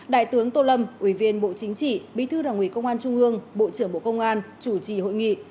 đại tướng tô lâm ủy viên bộ chính trị bí thư đảng ủy công an trung ương bộ trưởng bộ công an chủ trì hội nghị